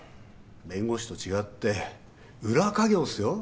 弁護士と違って裏稼業っすよ。